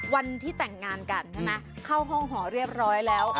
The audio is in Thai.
วันที่แต่งงานกันใช่ไหมเข้าห้องหอเรียบร้อยแล้ว